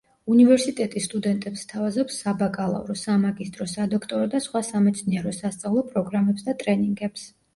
უნივერსიტეტი სტუდენტებს სთავაზობს საბაკალავრო, სამაგისტრო, სადოქტორო და სხვა სამეცნიერო სასწავლო პროგრამებს და ტრენინგებს.